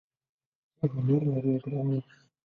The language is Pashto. څه هنر لرې ګرانه ؟